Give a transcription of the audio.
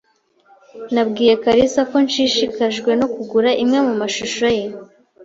Nabwiye kalisa ko nshishikajwe no kugura imwe mu mashusho ye.